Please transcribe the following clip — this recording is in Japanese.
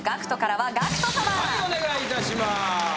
はいお願いいたします